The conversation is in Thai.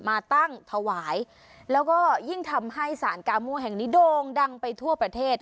มาตั้งถวายแล้วก็ยิ่งทำให้สารกาโม่แห่งนี้โด่งดังไปทั่วประเทศ